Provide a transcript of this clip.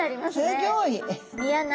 すギョい！